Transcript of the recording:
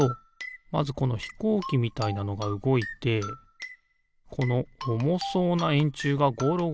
まずこのひこうきみたいなのがうごいてこのおもそうなえんちゅうがゴロゴロいくと。